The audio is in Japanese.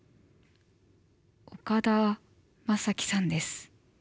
岡田将生さんです。